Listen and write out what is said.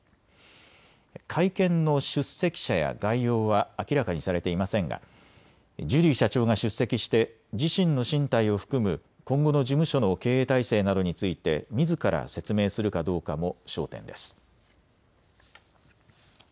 会見の出席者や概要は明らかにされていませんがジュリー社長が出席して自身の進退を含む今後の事務所の経営体制などについてみずから説明するかどうかも焦点です。